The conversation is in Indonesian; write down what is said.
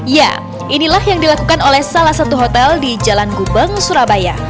ya inilah yang dilakukan oleh salah satu hotel di jalan gubeng surabaya